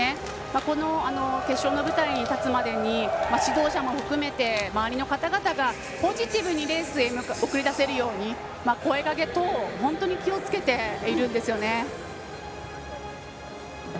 この決勝の舞台に立つまでに指導者も含めて周りの方々がポジティブにレースに送り出せるように声かけ等を本当に気をつけているんですよね。